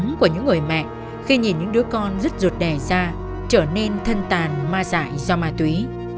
cái đắng của những người mẹ khi nhìn những đứa con rất ruột đẻ ra trở nên thân tàn ma giải do ma túy